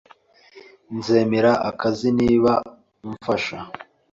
Nzemera akazi, niba umfasha.